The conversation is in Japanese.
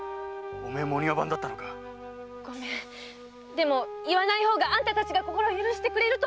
でも言わない方があんたたちが心を許してくれると思って。